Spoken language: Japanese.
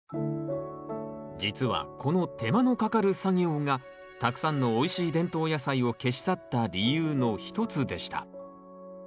実はこの手間のかかる作業がたくさんのおいしい伝統野菜を消し去った理由の一つでした。